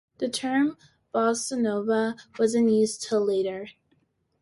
The term "bossa nova" wasn't used until later.